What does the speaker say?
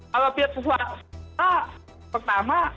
kalau pihak swasta pertama